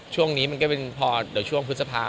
ช่วงนี้ช่วงพฤษภา